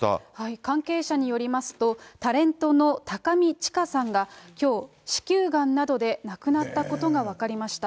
関係者によりますと、タレントの高見知佳さんが、きょう、子宮がんなどで亡くなったことが分かりました。